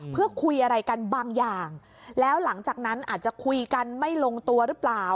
เพื่อคุยอะไรกันบางอย่างแล้วหลังจากนั้นอาจจะคุยกันไม่ลงตัวหรือเปล่า